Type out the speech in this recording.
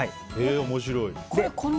面白い。